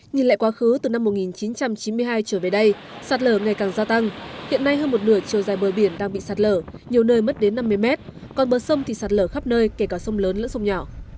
nhìn lại quá khứ từ năm một nghìn chín trăm chín mươi hai trở về đây sạt lở ngày càng gia tăng hiện nay hơn một nửa chiều dài bờ biển đang bị sạt lở nhiều nơi mất đến năm mươi mét còn bờ sông thì sạt lở khắp nơi kể cả sông lớn lẫn sông nhỏ